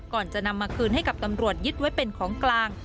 ก่อนจะนำมาคืนให้กับตำรวจยึดไว้เป็นของกลาง